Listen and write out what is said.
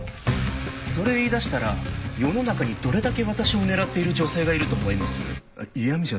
それ言い出したら世の中にどれだけ私を狙っている女性がいると思います？